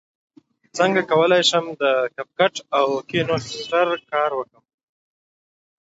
څنګه کولی شم د کپ کټ او کینوسټر کار وکړم